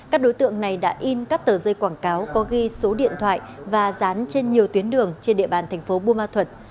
các đối tượng này đã in các tờ rơi quảng cáo có ghi số điện thoại và dán trên nhiều tuyến đường trên địa bàn thành phố buôn ma thuật